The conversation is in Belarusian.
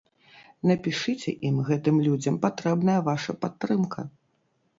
Напішыце ім, гэтым людзям патрэбная ваша падтрымка.